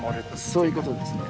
そういうことですね。